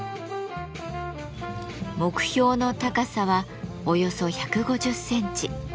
目標の高さはおよそ１５０センチ。